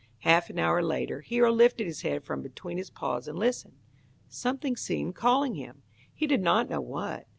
Half an hour later Hero lifted his head from between his paws and listened. Something seemed calling him. He did not know what.